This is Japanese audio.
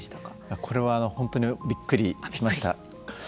これは、本当にびっくりしました。